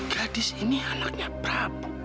gadis ini anaknya prabu